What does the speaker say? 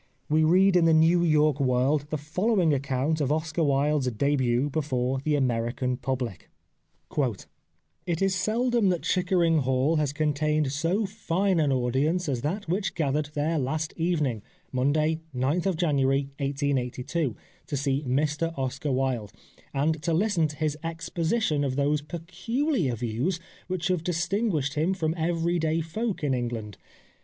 We read in the New York World the following account of Oscar Wilde's debut before the American public :— "It is seldom that Chickering Hall has con 198 The Life of Oscar Wilde tained so fine an audience as that which gathered there last evening (Monday, 9th January 1882) to see Mr Oscar Wilde, and to listen to his ex position of those peculiar views which have dis tinguished him from everyday folk in England.